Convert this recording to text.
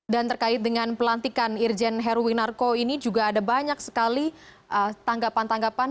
dan terkait dengan pelantikan irjen heruwinarko ini juga ada banyak sekali tanggapan tanggapan